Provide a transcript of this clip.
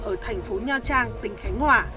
ở thành phố nha trang tỉnh khánh hỏa